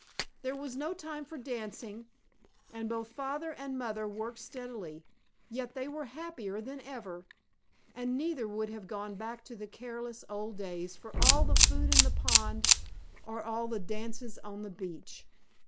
There was no time for dancing, and both father and mother worked steadily, yet they were happier than ever, and neither would have gone back to the careless old days for all the food in the pond or all the dances on the beach.